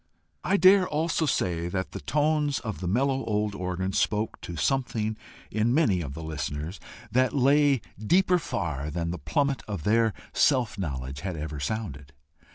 I dare also say that the tones of the mellow old organ spoke to something in many of the listeners that lay deeper far than the plummet of their self knowledge had ever sounded.